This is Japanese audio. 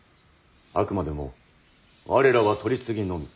あくまでも我らは取り次ぎのみ。